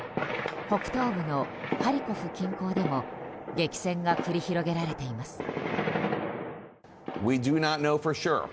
北東部のハリコフ近郊でも激戦が繰り広げられています。